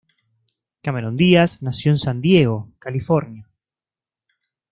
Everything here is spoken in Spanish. Cameron Diaz nació en San Diego, California.